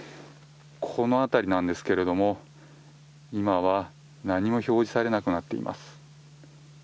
この辺りなんですけれども今は何も表示されなくなっています。